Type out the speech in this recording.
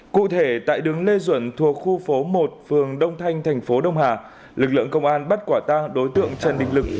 cụ thể tại đường lê duẩn thuộc khu phố một phường đông thanh thành phố đông hà lực lượng công an bắt quả tang đối tượng trần đình lực